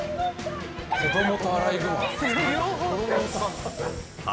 子供とアライグマ。